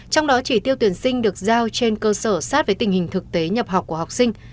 trong đó chỉ tiêu tuyển sinh được giao trên cơ sở sát với tình hình thực tế nhập học của học sinh